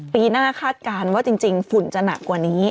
ปีหน้าคาดการณ์ว่าจริงฝุ่นจะหนักกว่านี้